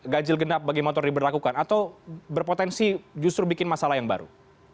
ganjil genap bagi motor diberlakukan atau berpotensi justru bikin masalah yang baru